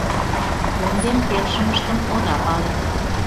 Кӧн ден келшымыштым ода пале.